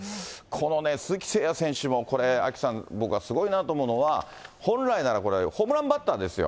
このね、鈴木誠也選手も、これ、アキさん、僕はすごいなと思うのは、本来ならこれ、ホームランバッターですよ。